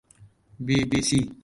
بی بی سی